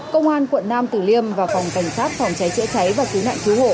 công an quận năm từ liêm và phòng cảnh sát phòng cháy chữa cháy và cứu nạn cứu hộ